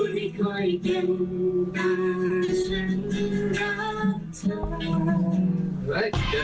พี่ไม่ได้เล่นนานกันเหรอเล่นเกรงแล้วผิดเลย